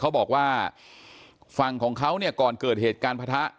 เขาบอกว่าฝั่งของเขาเนี่ยก่อนเกิดเหตุการณ์ประทะ